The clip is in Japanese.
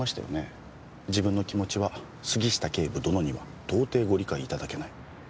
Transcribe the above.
自分の気持ちは杉下警部殿には到底ご理解いただけない。